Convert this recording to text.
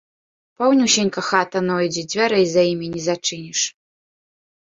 Паўнюсенька хата нойдзе, дзвярэй за імі не зачыніш.